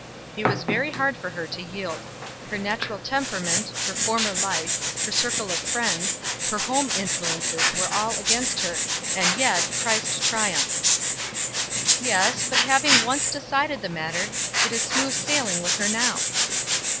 It was very hard for her to yield. Her natural temperament, her former life, her circle of friends, her home influences were all against her, and yet Christ triumphed." "Yes, but having once decided the matter, it is smooth sailing with her now."